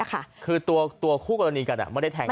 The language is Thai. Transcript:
คือตัวคู่กรณีกันไม่ได้แทง